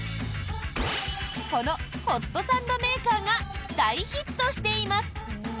このホットサンドメーカーが大ヒットしています。